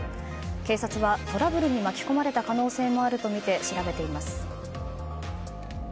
警察はトラブルに巻き込まれた可能性もあるとみて調べています。